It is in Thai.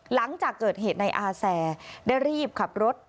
หลังจากเกิดเหตุในอาแซได้รีบขับรถ